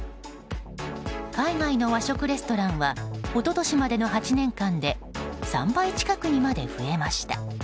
海外の和食レストランは一昨年までの８年間で３倍近くにまで増えました。